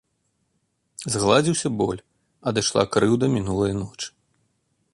Згладзіўся боль, адышла крыўда мінулай ночы.